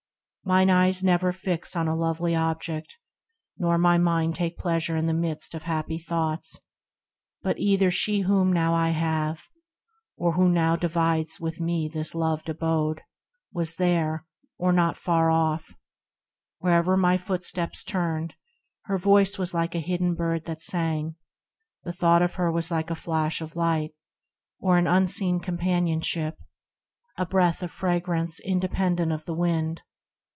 Mine eyes did ne'er Fix on a lovely object, nor my mind THE RECLUSE Take pleasure in the midst of happy thoughts, But either She whom now I have, who now Divides with me this loved abode, was there, Or not far off. Where'er my footsteps turned, Her voice was like a hidden Bird that sang, The thought of her was like a flash of light, Or an unseen companionship, a breath Of fragrance independent of the Wind.